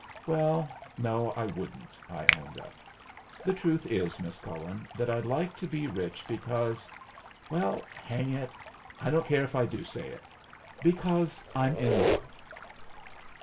"Well, no, I wouldn't," I owned up. "The truth is, Miss Cullen, that I'd like to be rich, because well, hang it, I don't care if I do say it because I'm in love."